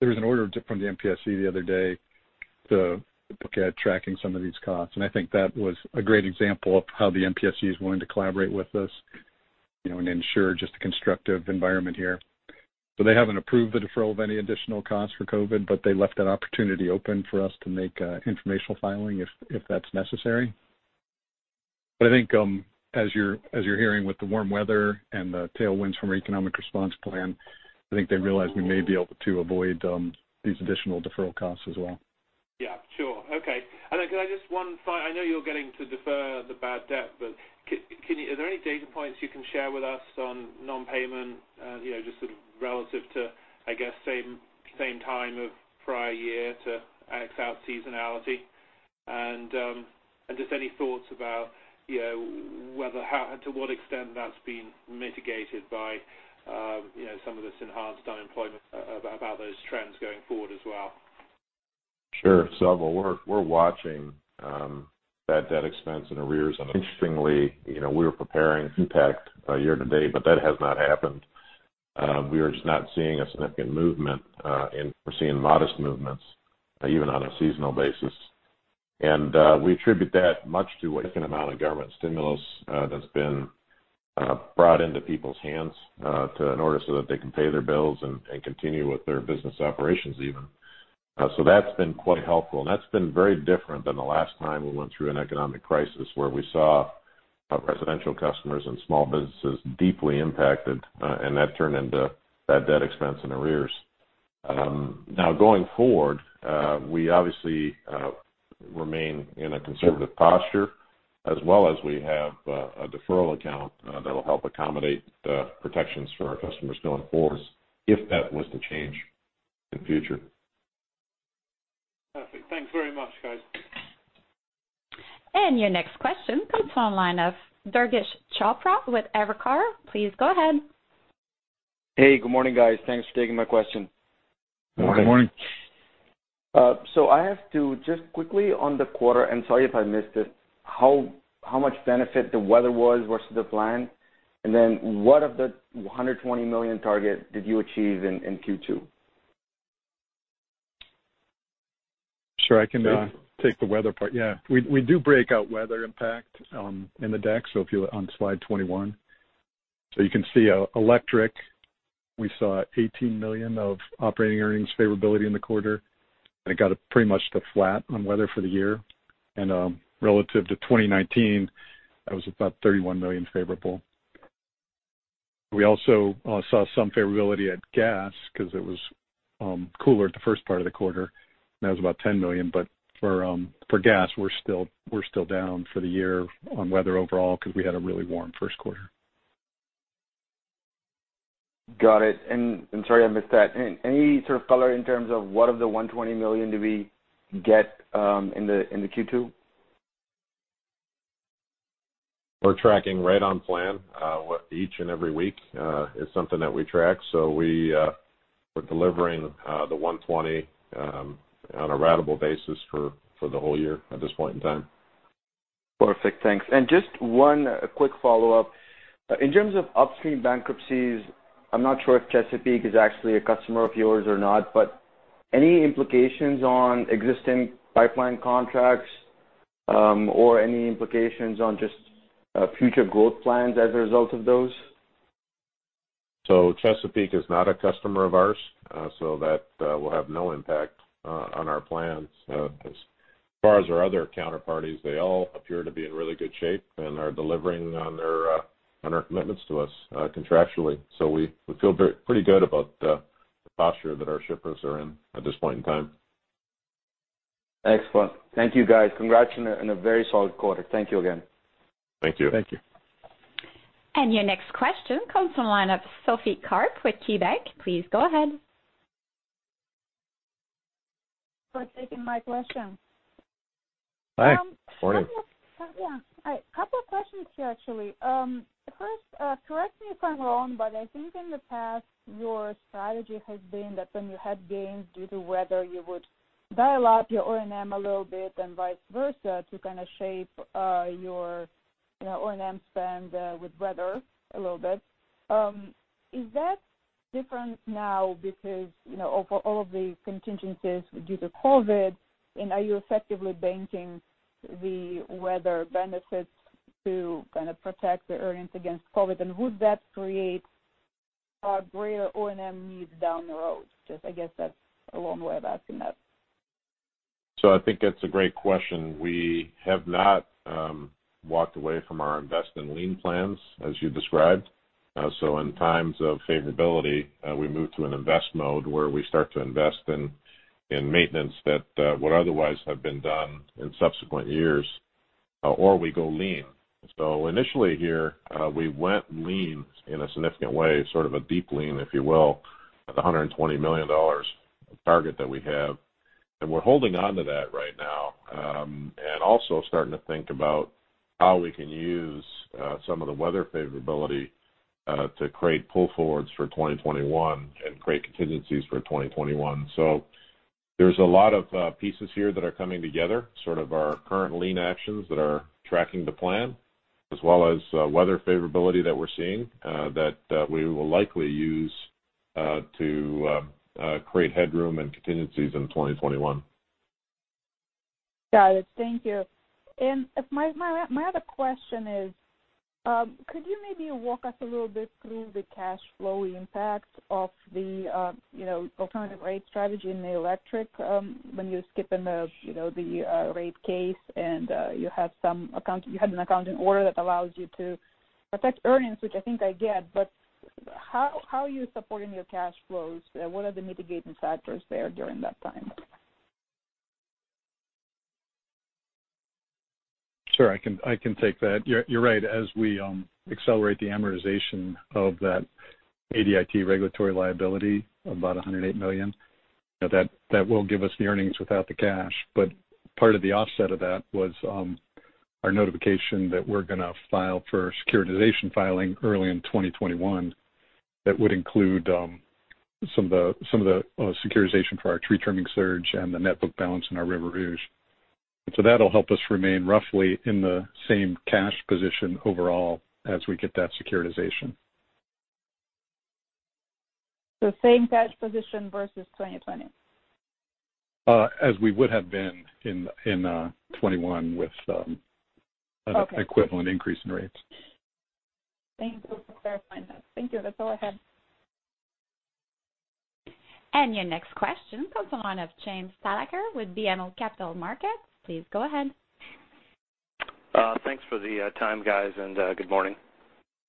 There was an order from the MPSC the other day to look at tracking some of these costs, and I think that was a great example of how the MPSC is willing to collaborate with us and ensure just a constructive environment here. They haven't approved the deferral of any additional costs for COVID, but they left that opportunity open for us to make informational filing if that's necessary. I think as you're hearing with the warm weather and the tailwinds from our economic response plan, I think they realize we may be able to avoid these additional deferral costs as well. Yeah, sure. Okay. Could I just one I know you're getting to defer the bad debt, but are there any data points you can share with us on non-payment just sort of relative to, I guess, same time of prior year to x out seasonality? Just any thoughts about to what extent that's been mitigated by some of this enhanced unemployment about those trends going forward as well? We're watching bad debt expense in arrears. Interestingly, we were preparing impact year-to-date, but that has not happened. We are just not seeing a significant movement. We're seeing modest movements even on a seasonal basis. We attribute that much to a significant amount of government stimulus that's been brought into people's hands in order so that they can pay their bills and continue with their business operations even. That's been quite helpful, and that's been very different than the last time we went through an economic crisis where we saw our residential customers and small businesses deeply impacted, and that turned into bad debt expense in arrears. Going forward, we obviously remain in a conservative posture as well as we have a deferral account that'll help accommodate the protections for our customers still in force if that was to change in future. Perfect. Thanks very much, guys. Your next question comes from the line of Durgesh Chopra with Evercore. Please go ahead. Hey, good morning, guys. Thanks for taking my question. Good morning. Good morning. I have two. Just quickly on the quarter, and sorry if I missed it, how much benefit the weather was versus the plan? Then what of the $120 million target did you achieve in Q2? Sure. I can take the weather part. Yeah. We do break out weather impact in the deck. If you go on slide 21. You can see DTE Electric, we saw $18 million of operating earnings favorability in the quarter, and it got pretty much to flat on weather for the year. Relative to 2019, that was about $31 million favorable. We also saw some favorability at DTE Gas because it was cooler at the first part of the quarter, and that was about $10 million. For DTE Gas, we're still down for the year on weather overall because we had a really warm first quarter. Got it. Sorry I missed that. Any sort of color in terms of what of the $120 million do we get in the Q2? We're tracking right on plan. Each and every week is something that we track. We're delivering the 120 on a ratable basis for the whole year at this point in time. Perfect. Thanks. Just one quick follow-up. In terms of upstream bankruptcies, I'm not sure if Chesapeake is actually a customer of yours or not, but any implications on existing pipeline contracts or any implications on just future growth plans as a result of those? Chesapeake is not a customer of ours so that will have no impact on our plans. As far as our other counterparties, they all appear to be in really good shape and are delivering on their commitments to us contractually. We feel pretty good about the posture that our shippers are in at this point in time. Excellent. Thank you, guys. Congrats on a very solid quarter. Thank you again. Thank you. Thank you. Your next question comes from the line of Sophie Karp with KeyBanc. Please go ahead. Thanks for taking my question. Thanks. For you. A couple of questions here, actually. First, correct me if I'm wrong, but I think in the past, your strategy has been that when you had gains due to weather, you would dial up your O&M a little bit and vice versa to kind of shape your O&M spend with weather a little bit. Is that different now because of all of the contingencies due to COVID? Are you effectively banking the weather benefits to kind of protect the earnings against COVID? Would that create greater O&M needs down the road? Just I guess that's a long way of asking that. I think that's a great question. We have not walked away from our invest and lean plans as you described. In times of favorability, we move to an invest mode where we start to invest in maintenance that would otherwise have been done in subsequent years, or we go lean. Initially here, we went lean in a significant way, sort of a deep lean, if you will, at the $120 million target that we have. We're holding onto that right now. Also starting to think about how we can use some of the weather favorability to create pull forwards for 2021 and create contingencies for 2021. There's a lot of pieces here that are coming together, sort of our current lean actions that are tracking the plan, as well as weather favorability that we're seeing, that we will likely use to create headroom and contingencies in 2021. Got it. Thank you. My other question is, could you maybe walk us a little bit through the cash flow impact of the alternative rate strategy in the electric, when you're skipping the rate case and you had an accounting order that allows you to protect earnings? Which I think I get, but how are you supporting your cash flows? What are the mitigating factors there during that time? Sure. I can take that. You're right. As we accelerate the amortization of that ADIT regulatory liability, about $108 million, that will give us the earnings without the cash. Part of the offset of that was our notification that we're going to file for securitization filing early in 2021. That would include some of the securitization for our tree trimming surge and the net book balance in our River Rouge. That'll help us remain roughly in the same cash position overall as we get that securitization. Same cash position versus 2020? As we would have been in 2021. Okay. An equivalent increase in rates. Thanks for clarifying that. Thank you. That's all I had. Your next question comes on line of James Thalacker with BMO Capital Markets. Please go ahead. Thanks for the time, guys, and good morning.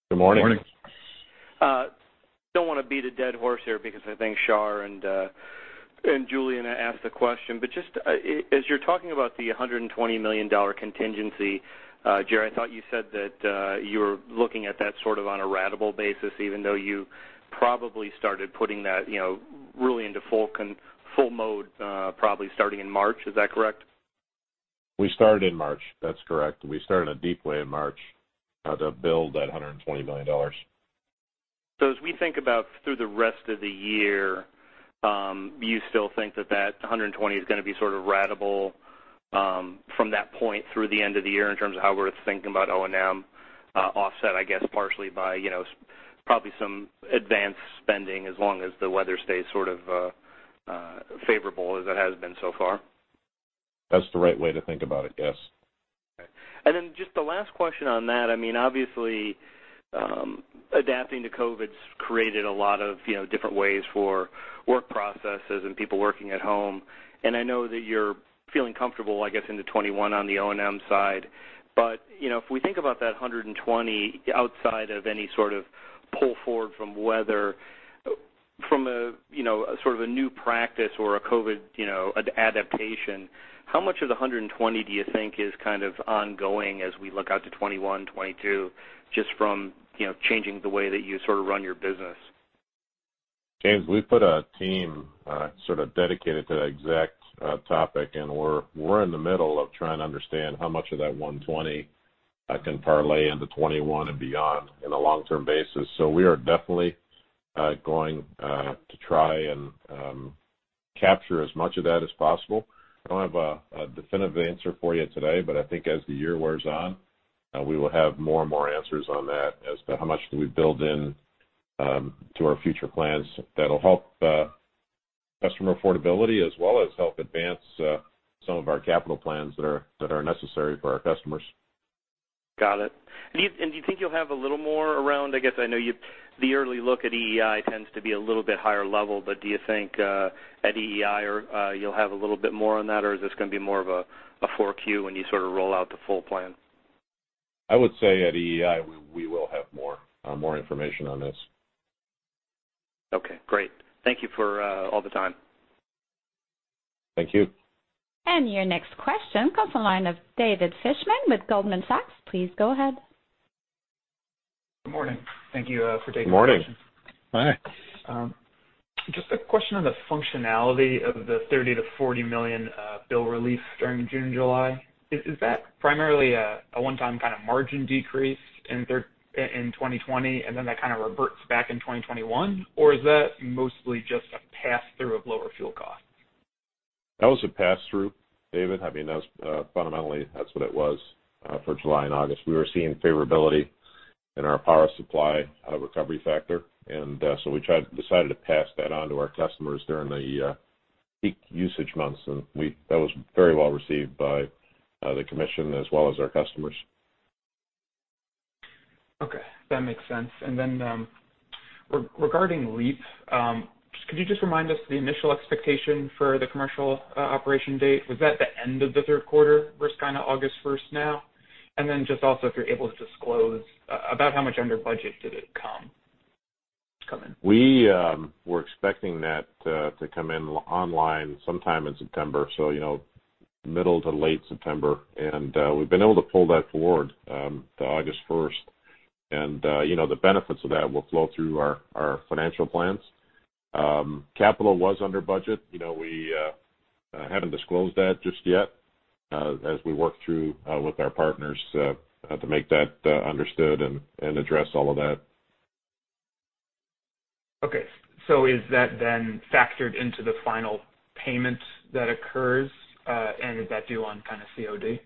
Good morning. Good morning. Don't want to beat a dead horse here because I think Shar and Julien asked the question, but just as you're talking about the $120 million contingency, Jer, I thought you said that you're looking at that sort of on a ratable basis, even though you probably started putting that really into full mode probably starting in March. Is that correct? We started in March, that's correct. We started DTE in March to build that $120 million. As we think about through the rest of the year, do you still think that that 120 is going to be sort of ratable from that point through the end of the year in terms of how we're thinking about O&M offset, I guess partially by probably some advanced spending, as long as the weather stays sort of favorable as it has been so far? That's the right way to think about it. Yes. Okay. Just the last question on that, I mean, obviously, adapting to COVID-19's created a lot of different ways for work processes and people working at home, and I know that you're feeling comfortable, I guess, into 2021 on the O&M side. If we think about that $120 outside of any sort of pull forward from weather, from a sort of a new practice or a COVID-19 adaptation, how much of the $120 do you think is kind of ongoing as we look out to 2021, 2022, just from changing the way that you sort of run your business? James, we put a team sort of dedicated to that exact topic, and we're in the middle of trying to understand how much of that $120 can parlay into 2021 and beyond in a long-term basis. We are definitely going to try and capture as much of that as possible. I don't have a definitive answer for you today, but I think as the year wears on, we will have more and more answers on that as to how much do we build into our future plans that'll help customer affordability as well as help advance some of our capital plans that are necessary for our customers. Got it. Do you think you'll have a little more around, I guess I know the early look at EEI tends to be a little bit higher level, but do you think at EEI you'll have a little bit more on that, or is this going to be more of a 4Q when you sort of roll out the full plan? I would say at EEI, we will have more information on this. Okay, great. Thank you for all the time. Thank you. Your next question comes on line of David Fishman with Goldman Sachs. Please go ahead. Good morning. Thank you for taking my question. Good morning. Hi. Just a question on the functionality of the $30 million to $40 million bill relief during June, July. Is that primarily a one-time kind of margin decrease in 2020, and then that kind of reverts back in 2021? Is that mostly just a pass-through of lower fuel costs? That was a pass-through, David. I mean, fundamentally, that's what it was for July and August. We were seeing favorability in our power supply recovery factor, and so we decided to pass that on to our customers during the peak usage months, and that was very well received by the Commission as well as our customers. Okay. That makes sense. Regarding LEAP, could you just remind us the initial expectation for the commercial operation date? Was that the end of the third quarter versus kind of August 1st now? Also if you're able to disclose, about how much under budget did it come in? We were expecting that to come in online sometime in September, so middle to late September. We've been able to pull that forward to August 1st. The benefits of that will flow through our financial plans. Capital was under budget. We haven't disclosed that just yet as we work through with our partners to make that understood and address all of that. Is that then factored into the final payment that occurs, and is that due on kind of COD?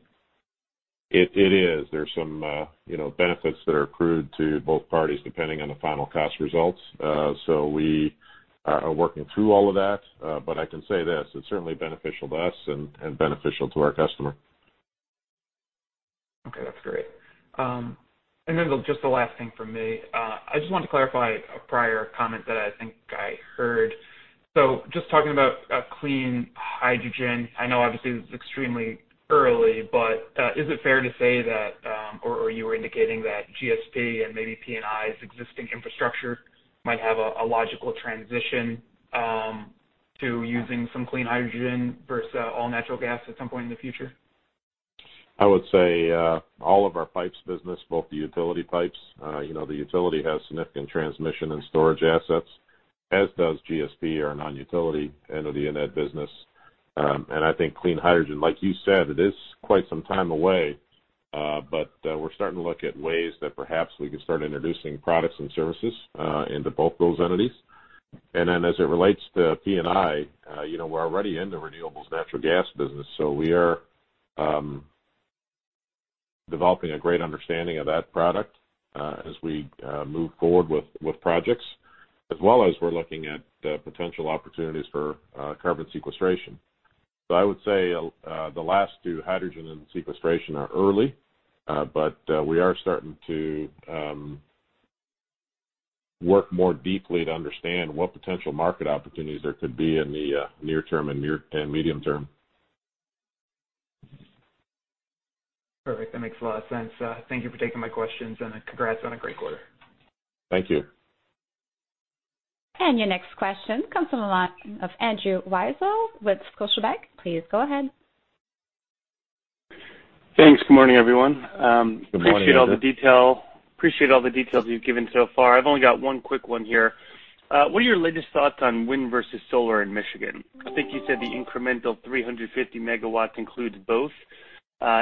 It is. There's some benefits that are accrued to both parties depending on the final cost results. We are working through all of that. I can say this, it's certainly beneficial to us and beneficial to our customer. Okay, that's great. Just the last thing from me, I just wanted to clarify a prior comment that I think I heard. Just talking about clean hydrogen. I know obviously this is extremely early, but is it fair to say that, or you were indicating that GSP and maybe P&I's existing infrastructure might have a logical transition to using some clean hydrogen versus all natural gas at some point in the future? I would say, all of our pipes business, both the utility pipes, the utility has significant transmission and storage assets, as does GSP, our non-utility entity in that business. I think clean hydrogen, like you said, it is quite some time away. We're starting to look at ways that perhaps we could start introducing products and services into both those entities. As it relates to P&I, we're already in the renewables natural gas business. We are developing a great understanding of that product as we move forward with projects, as well as we're looking at potential opportunities for carbon sequestration. I would say the last two, hydrogen and sequestration, are early. We are starting to work more deeply to understand what potential market opportunities there could be in the near term and medium term. Perfect. That makes a lot of sense. Thank you for taking my questions and congrats on a great quarter. Thank you. Your next question comes from the line of Andrew Weisel with Scotiabank. Please go ahead. Thanks. Good morning, everyone. Good morning, Andrew. Appreciate all the details you've given so far. I've only got one quick one here. What are your latest thoughts on wind versus solar in Michigan? I think you said the incremental 350 MW includes both.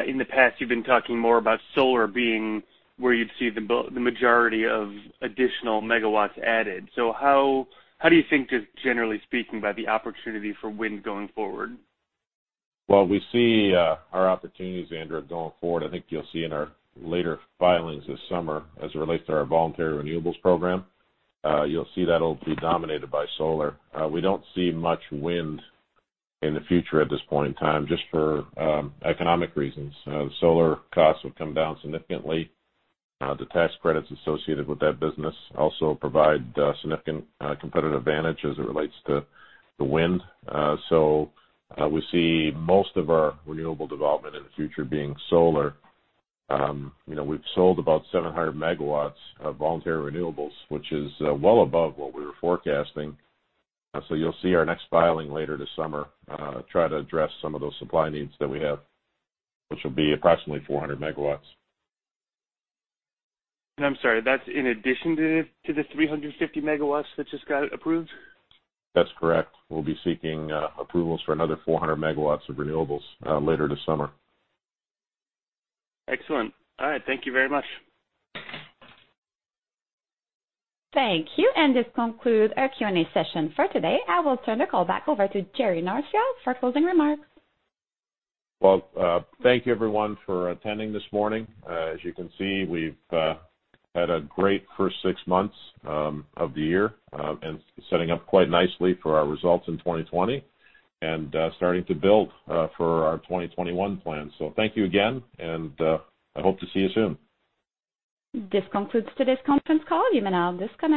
In the past, you've been talking more about solar being where you'd see the majority of additional megawatts added. How do you think, just generally speaking, about the opportunity for wind going forward? Well, we see our opportunities, Andrew, going forward. I think you'll see in our later filings this summer, as it relates to our voluntary renewables program, you'll see that'll be dominated by solar. We don't see much wind in the future at this point in time, just for economic reasons. The solar costs have come down significantly. The tax credits associated with that business also provide significant competitive advantage as it relates to the wind. We see most of our renewable development in the future being solar. We've sold about 700 MW of voluntary renewables, which is well above what we were forecasting. You'll see our next filing later this summer try to address some of those supply needs that we have, which will be approximately 400 MW. I'm sorry, that's in addition to the 350 MW that just got approved? That's correct. We'll be seeking approvals for another 400 MW of renewables later this summer. Excellent. All right. Thank you very much. Thank you. This concludes our Q&A session for today. I will turn the call back over to Jerry Norcia for closing remarks. Well, thank you everyone for attending this morning. As you can see, we've had a great first six months of the year, and setting up quite nicely for our results in 2020, and starting to build for our 2021 plan. Thank you again, and I hope to see you soon. This concludes today's conference call. You may now disconnect.